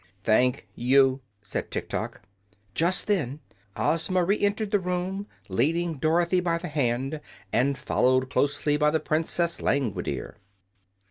"Thank you," said Tiktok. Just then Ozma re entered the room, leading Dorothy by the hand and followed closely by the Princess Langwidere. 8.